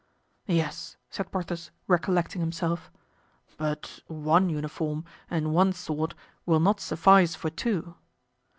"Yes," said Porthos, recollecting himself, "but one uniform and one sword will not suffice for two."